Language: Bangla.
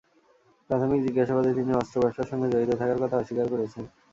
প্রাথমিক জিজ্ঞাসাবাদে তিনি অস্ত্র ব্যবসার সঙ্গে জড়িত থাকার কথা অস্বীকার করেছেন।